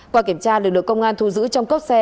qua kiểm tra được được công an thu giữ trong cốc xe